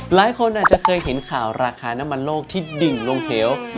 หลายคนอาจจะเคยเห็นข่าวราคาน้ำมันโลกที่ดิ่งลงเหว